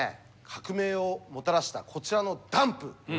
革命をもたらしたこちらのダンプ